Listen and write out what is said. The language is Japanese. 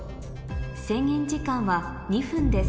制限時間は２分です